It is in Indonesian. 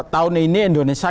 tahun ini indonesia